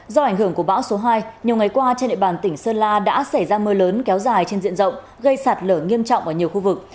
do ảnh hưởng của bão số hai nhiều ngày qua trên địa bàn tỉnh sơn la đã xảy ra mưa lớn kéo dài trên diện rộng gây sạt lở nghiêm trọng ở nhiều khu vực